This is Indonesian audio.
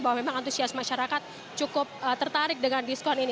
bahwa memang antusias masyarakat cukup tertarik dengan diskon ini